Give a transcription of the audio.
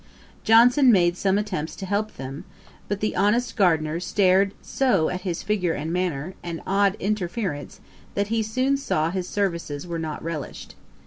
Johnson made some attempts to help them; but the honest gardeners stared so at his figure and manner, and odd interference, that he soon saw his services were not relished.